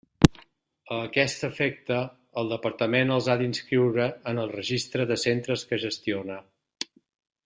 A aquest efecte, el Departament els ha d'inscriure en el registre de centres que gestiona.